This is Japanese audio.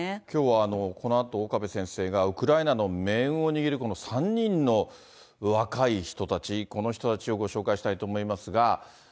きょうはこのあと、岡部先生がウクライナの命運を握るこの３人の若い人たち、この人たちをご紹介したいと思いますが。